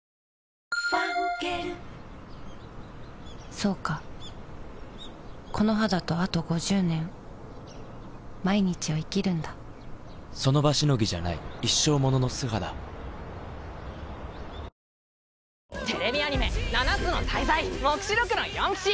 そうかこの肌とあと５０年その場しのぎじゃない一生ものの素肌テレビアニメ「七つの大罪黙示録の四騎士」